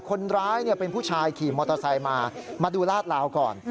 คนร้ายเป็นผู้ชายขี่มอเตอร์ไซค์มามาดูลาดลาวก่อน